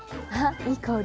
いい香り。